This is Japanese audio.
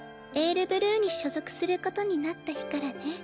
「ＡｉＲＢＬＵＥ」に所属することになった日からね